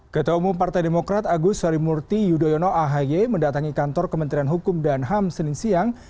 ketua umum partai demokrat agus harimurti yudhoyono ahy mendatangi kantor kementerian hukum dan ham senin siang